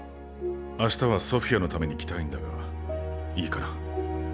あしたはソフィアのために来たいんだがいいかな？